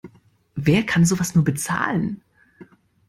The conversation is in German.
Wer kann sowas nur bezahlen?